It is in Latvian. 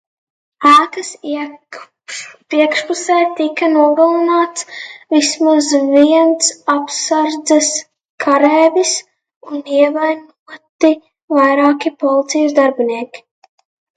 Ēkas iekšpusē tika nogalināts vismaz viens apsardzes kareivis un ievainoti vairāki policijas darbinieki.